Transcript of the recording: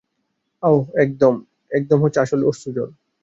অহ, দেখ, একদম আসল অশ্রুজল।